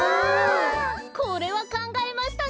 これはかんがえましたね。